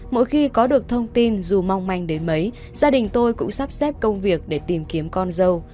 mỗi khi có được thông tin dù mong manh đến mấy gia đình tôi cũng sắp xếp công việc để tìm kiếm con dâu